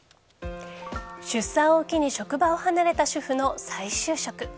出産を機に職場を離れた主婦の再就職。